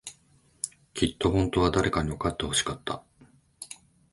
きっと、本当は、誰かにわかってほしかった。